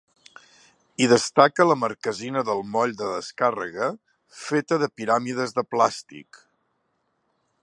Hi destaca la marquesina del moll de descàrrega, feta de piràmides de plàstic.